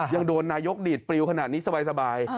ยังโดนนายกดีดปลิวขนาดนี้สบาย